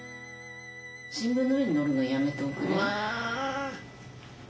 新聞の上に乗るのやめておくれ。